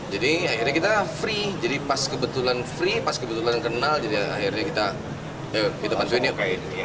jadi akhirnya kita free jadi pas kebetulan free pas kebetulan kenal jadi akhirnya kita pantuin yuk